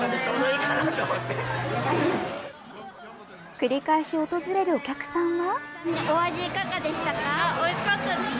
繰り返し訪れるお客さんは。